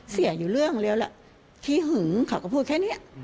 เสียอยู่เรื่องเดียวแหละขี้หึงเขาก็พูดแค่นี้